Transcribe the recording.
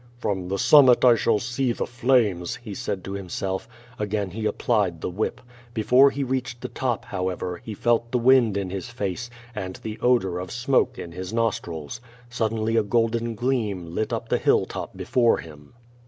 "From the summit I shall see the flames," he said to him self. Again he applied the whip. Before he reached the top, however, he felt the wind in his face, and the odor of smoke in his nostrils. Suddenly a golden gleam lit up the hill top be fore him.